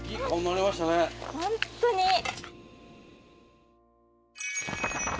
本当に。